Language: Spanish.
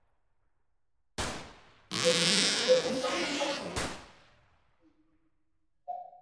Los puntos de experiencia elevan los niveles de experiencia de los personajes.